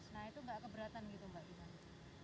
nah itu gak keberatan gitu mbak iman